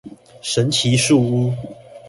神奇樹屋